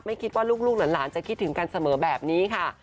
คิดว่าลูกหลานจะคิดถึงกันเสมอแบบนี้ค่ะ